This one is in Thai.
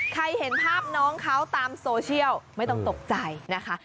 เห็นภาพน้องเขาตามโซเชียลไม่ต้องตกใจนะคะ